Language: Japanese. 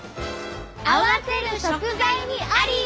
合わせる食材にあり！